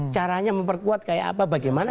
caranya memperkuat kayak apa bagaimana